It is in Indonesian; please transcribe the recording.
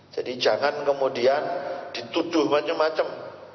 jadi jangan kemudian dituduh macam macam